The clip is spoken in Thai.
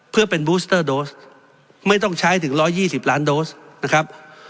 เพื่อเป็นบูสเตอร์โดสไม่ต้องใช้ถึง๑๒๐ล้านโดสนะครับ